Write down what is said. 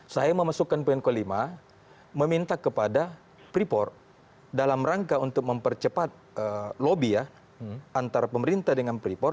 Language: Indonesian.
saya memasukkan poin kelima meminta kepada freeport dalam rangka untuk mempercepat lobby ya antara pemerintah dengan freeport